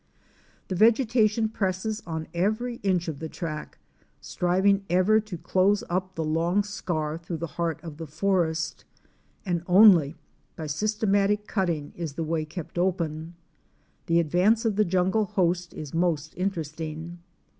The vegetation presses on every inch of the track, striving ever to close up the long scar through the heart of the forest, and only by systematic cutting is the way kept open. The advance of the jungle host is most interesting.